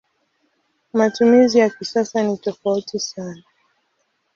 Matumizi ya kisasa ni tofauti sana.